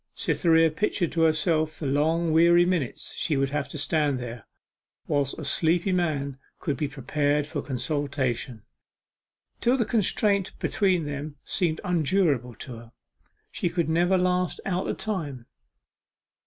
Cytherea pictured to herself the long weary minutes she would have to stand there, whilst a sleepy man could be prepared for consultation, till the constraint between them seemed unendurable to her she could never last out the time.